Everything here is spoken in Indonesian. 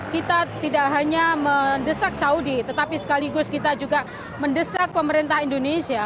kita tidak hanya mendesak saudi tetapi sekaligus kita juga mendesak pemerintah indonesia